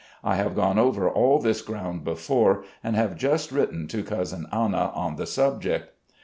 I have gone over all this groimd before, and have just written to Cousin Anna on the subject.